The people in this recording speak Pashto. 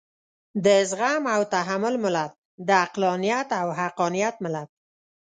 د زغم او تحمل ملت، د عقلانيت او حقانيت ملت.